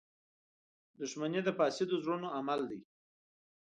• دښمني د فاسدو زړونو عمل دی.